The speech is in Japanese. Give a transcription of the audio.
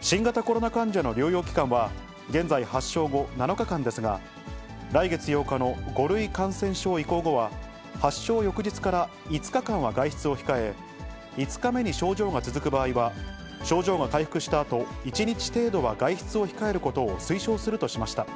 新型コロナ患者の療養期間は、現在、発症後７日間ですが、来月８日の５類感染症移行後は、発症翌日から５日間は外出を控え、５日目に症状が続く場合は症状が回復したあと、１日程度は外出を控えることを推奨するとしました。